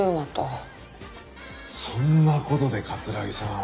そんな事で城さんを。